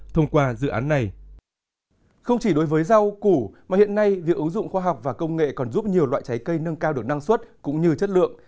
không chỉ đối với rau củ mà hiện nay việc ứng dụng khoa học và công nghệ còn giúp nhiều loại trái cây nâng cao được năng suất cũng như chất lượng